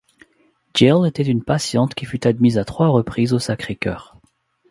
Jill était une patiente qui fut admise à trois reprises au Sacré-Cœur.